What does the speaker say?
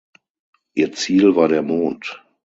Ihr Ziel war der Mond.